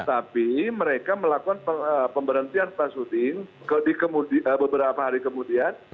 tapi mereka melakukan pemberhentian pasuding beberapa hari kemudian